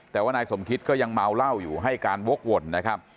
แต่ว่านายสมคิตก็ยังเมาเหล้าอยู่ให้การวกวนนะครับ